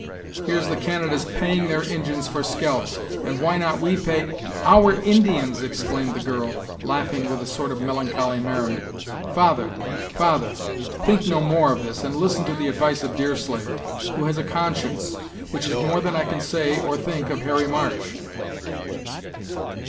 Here's the Canadas paying their Injins for scalps, and why not we pay " "Our Indians!" exclaimed the girl, laughing with a sort of melancholy merriment. "Father, father! think no more of this, and listen to the advice of Deerslayer, who has a conscience; which is more than I can say or think of Harry March."